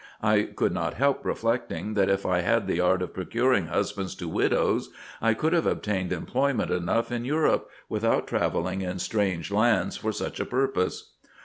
I could not help reflecting, that if I had the art of procuring husbands to widows, I could have obtained employment enough in Europe, without travelling in strange lands for such a purpose.